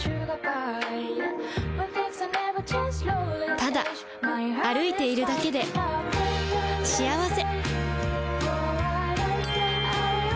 ただ歩いているだけで幸せ